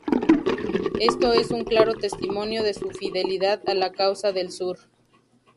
Esto es un claro testimonio de su fidelidad a la causa del sur.